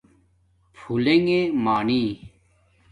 پُھولنݣ مانی